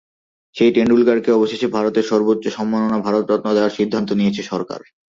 সেই টেন্ডুলকারকে অবশেষে ভারতের সর্বোচ্চ সম্মাননা ভারতরত্ন দেওয়ার সিদ্ধান্ত নিয়েছে সরকার।